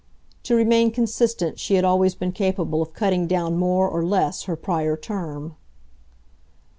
To remain consistent she had always been capable of cutting down more or less her prior term.